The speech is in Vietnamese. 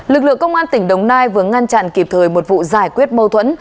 lực lượng công an tỉnh đồng nai vừa ngăn chặn kịp thời một vụ giải quyết mâu thuẫn